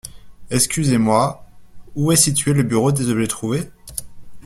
Excusez-moi, où est situé le bureau des objets trouvés?